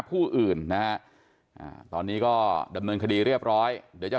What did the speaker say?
ผู้อื่นนะฮะตอนนี้ก็ดำเนินคดีเรียบร้อยเดี๋ยวจะ